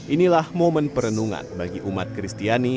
inilah momen perenungan bagi umat kristiani